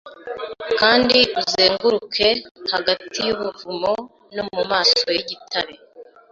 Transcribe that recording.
Kandi uzenguruke hagati yubuvumo no mumaso yigitare